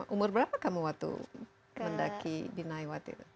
umur berapa kamu waktu mendaki binai waktu itu